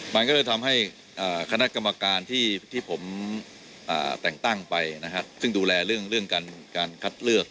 มันก็เลยทำให้คณะกรรมการที่ผมแต่งตั้งไปนะครับซึ่งดูแลเรื่องการคัดเลือก